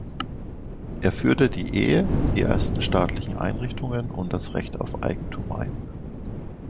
Er führte die Ehe, die ersten staatlichen Einrichtungen und das Recht auf Eigentum ein.